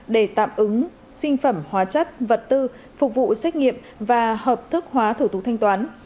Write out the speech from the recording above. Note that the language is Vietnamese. để tạm ứng sinh phẩm hóa chất vật tư phục vụ xét nghiệm và hợp thức hóa thủ tục thanh toán